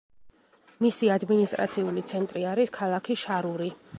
მისი ადმინისტრაციული ცენტრი არის ქალაქი შარური.